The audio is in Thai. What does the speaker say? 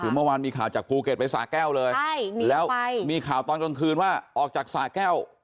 คือเมื่อวานมีข่าวจากภูเก็ตไปสาแก้วเลยใช่แล้วมีข่าวตอนกลางคืนว่าออกจากสาแก้ว